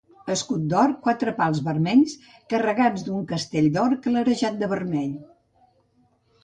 Escut d'or, quatre pals vermells, carregats d'un castell d'or, clarejat de vermell.